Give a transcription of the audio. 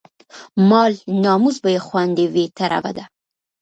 مال، ناموس به يې خوندي وي، تر ابده